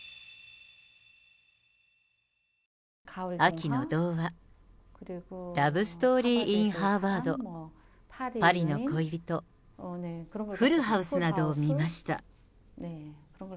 秋の童話、ラブストーリー・イン・ハーバード、パリの恋人、フルハウスなどを見ました。